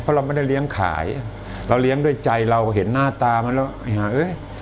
เราไม่ได้เลี้ยงขายเราเลี้ยงด้วยใจเราเห็นหน้าตามันแล้ว